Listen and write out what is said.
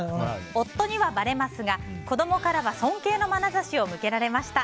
夫にはばれますが子供からは尊敬のまなざしを向けられました。